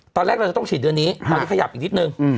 ตอนแรกเราจะต้องฉีดเดือนนี้ตอนนี้ขยับอีกนิดนึง